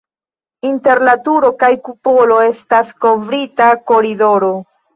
Inter la turo kaj kupolo estas kovrita koridoro.